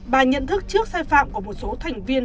bà nhận thức trước sai phạm của một số thành viên